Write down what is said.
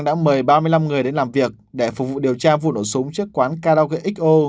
đã mời ba mươi năm người đến làm việc để phục vụ điều tra vụ nổ súng trước quán karaoke xo